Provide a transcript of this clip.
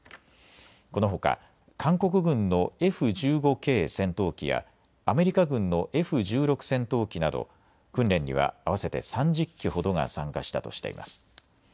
このほか韓国軍のＦ１５Ｋ戦闘機やアメリカ軍のＦ１６戦闘機など訓練には合わせて３０機ほどが参加したとしています。